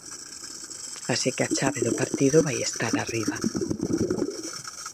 Así que a chave do partido vai estar arriba.